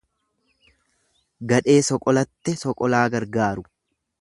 Gadhee soqolatte soqola gargaaru.